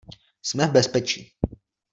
Jsme v bezpečí.